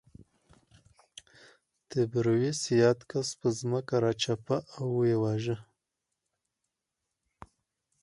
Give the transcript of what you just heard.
تبریوس یاد کس پر ځمکه راچپه او ویې واژه